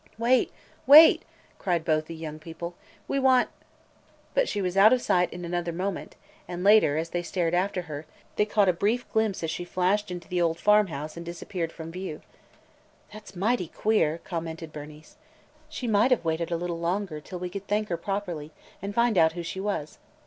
"Wait, wait!" cried both the young people. "We want –" But she was out of sight in another moment, and later, as they stared after her, they caught a brief glimpse as she flashed into the old farm house and disappeared from view. "That 's mighty queer!" commented Bernice. "She might have waited a little longer till we could thank her properly and find out who she was!